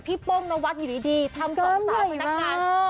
พี่โป้งนวัทย์อยู่ดีทำผมสารในการ